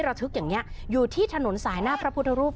ระทึกอย่างนี้อยู่ที่ถนนสายหน้าพระพุทธรูป